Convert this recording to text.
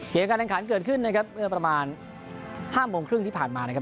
การแข่งขันเกิดขึ้นนะครับเมื่อประมาณ๕โมงครึ่งที่ผ่านมานะครับ